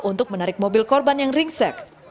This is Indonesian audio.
untuk menarik mobil korban yang ringsek